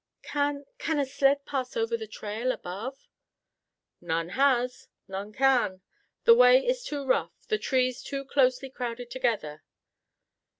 "Can—can a sled pass over the trail above?" "None has. None can. The way is too rough; the trees too closely crowded together.